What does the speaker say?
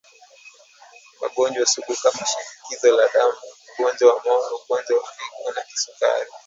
magonjwa sugu kama shinikizo la damu ugonjwa wa moyo ugonjwa wa figo na kisukari